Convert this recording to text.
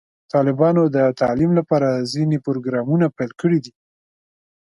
طالبانو د تعلیم لپاره ځینې پروګرامونه پیل کړي دي.